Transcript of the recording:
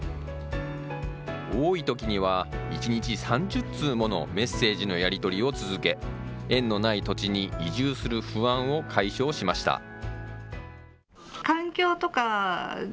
多いときには１日３０通ものメッセージのやり取りを続け、縁のない土地に移住する不安を解消しました。